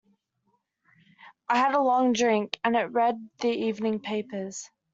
I had a long drink, and read the evening papers.